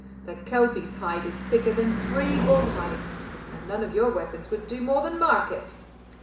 'The kelpie's hide is thicker than three bull hides, and none of your weapons would do more than mark it.